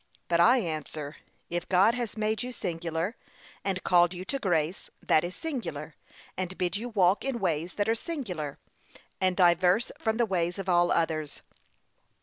But I answer, if God has made you singular, and called you to grace, that is singular; and bid you walk in ways that are singular, and diverse from the ways of all others.